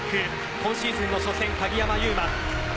今シーズンの初戦鍵山優真。